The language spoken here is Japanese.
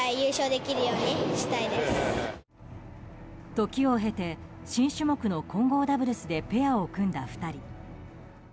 時を経て新種目の混合ダブルスでペアを組んだ２人。